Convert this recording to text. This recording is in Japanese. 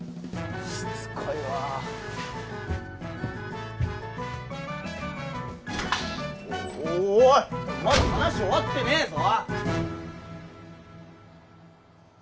しつこいわおいっまだ話終わってねえぞ！